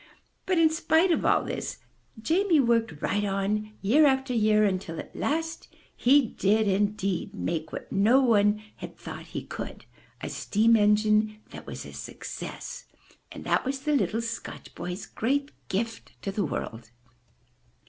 But .in spite of all this, Jamie worked right on year after year until at last he did indeed make what no one had thought he could — a steam engine that was a success. And that was the little Scotch boy's great gift to the world.